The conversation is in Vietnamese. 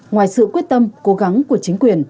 ngoài sự quyết tâm cố gắng của chính quyền